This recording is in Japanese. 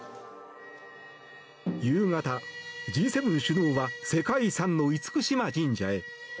夕方、Ｇ７首脳は世界遺産の厳島神社へ。